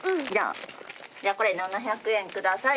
これ７００円ください。